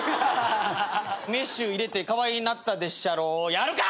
「メッシュ入れてカワイイなったでっしゃろ」やあるか！